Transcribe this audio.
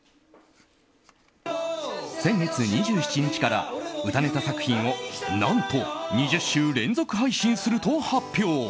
先月２７日から、歌ネタ作品を何と２０週連続配信すると発表。